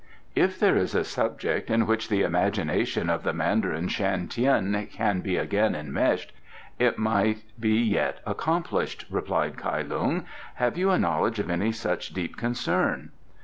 "If there is a subject in which the imagination of the Mandarin Shan Tien can be again enmeshed it might be yet accomplished," replied Kai Lung. "Have you a knowledge of any such deep concern?"